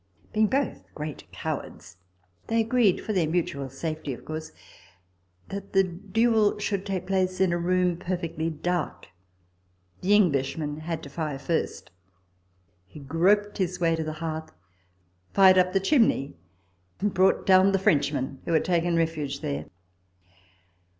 Being both great cowards, they agreed (for their mutual safety, of course) that the duel should take place in a room perfectly dark. The Englishman had to fire first. He groped his way to the hearth, fired up the chim ney, and brought down the Frenchman, who had taken refuge there!